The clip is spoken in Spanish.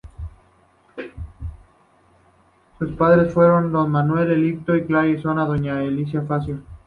Sus padres fueron don Manuel Emilio Clare y doña María Elena Facio.